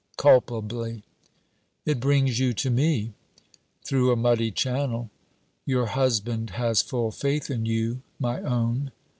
'Culpably.' 'It brings you to me.' 'Through a muddy channel.' 'Your husband has full faith in you, my own.'